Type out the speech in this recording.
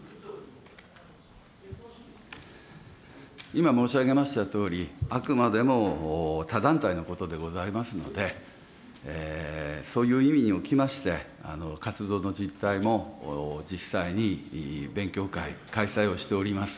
今申し上げましたとおり、あくまでも他団体のことでございますので、そういう意味におきまして、活動の実態も実際に勉強会、開催をしております。